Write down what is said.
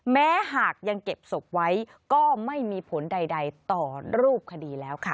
แม้หากยังเก็บศพไว้ก็ไม่มีผลใดต่อรูปคดีแล้วค่ะ